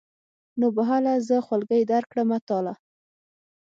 نو به هله زه خولګۍ درکړمه تاله.